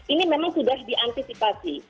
ini memang sudah diantisipasi